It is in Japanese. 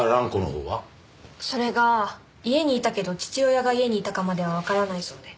それが家にいたけど父親が家にいたかまではわからないそうで。